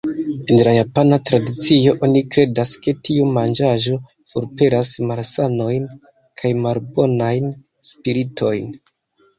En la japana tradicio oni kredas, ke tiu manĝaĵo forpelas malsanojn kaj malbonajn spiritojn.